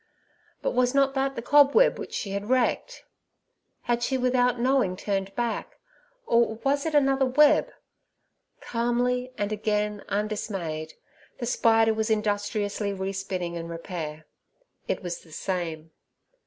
But was not that the cobweb which she had wrecked? Had she without knowing turned back, or was it another web? Calmly, and again undismayed, the spider was industriously respinning in repair. It was the same.